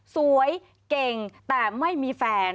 สวยเก่งแต่ไม่มีแฟน